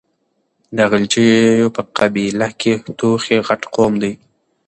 د غلجيو په قبيله کې توخي غټ قوم ده.